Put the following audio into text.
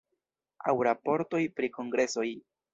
Aŭ raportoj pri kongresoj.